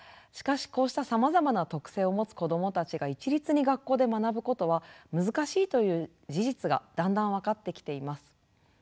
しかしこうしたさまざまな特性を持つ子どもたちが一律に学校で学ぶことは難しいという事実がだんだん分かってきています。